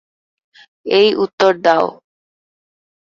এই উত্তর দাও।